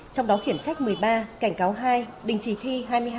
trong đó khiển trách một mươi ba cảnh cáo hai đình chỉ thi hai mươi hai